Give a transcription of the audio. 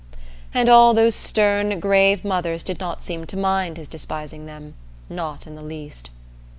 And all those stern grave mothers did not seem to mind his despising them, not in the least.